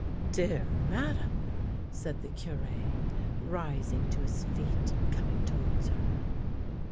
" Dear Madame! " said the Cure, rising to his feet and coming towards her.